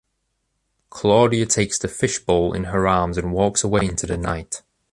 Claudia takes the fishbowl in her arms and walks away into the night.